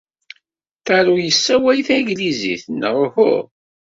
Taro yessawal tanglizit, neɣ uhu?